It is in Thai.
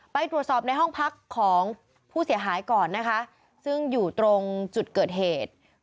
ไปตรวจสอบในห้องพักของผู้เสียหายก่อนนะคะซึ่งอยู่ตรงจุดเกิดเหตุ